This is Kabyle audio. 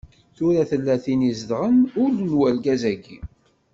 Tura tella tin izedɣen ul n urgaz-agi.